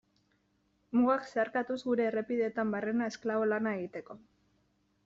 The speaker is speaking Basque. Mugak zeharkatuz gure errepideetan barrena esklabo lana egiteko.